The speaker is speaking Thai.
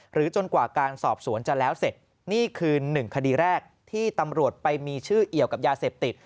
จนกว่าการสอบสวนจะแล้วเสร็จนี่คือหนึ่งคดีแรกที่ตำรวจไปมีชื่อเอี่ยวกับยาเสพติด